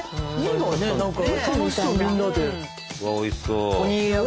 うわおいしそう。